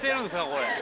これ。